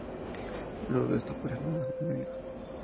Luego de esto, aparecen nuevos enemigos.